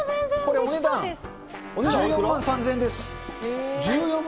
お値段は１４万３０００円で１４万？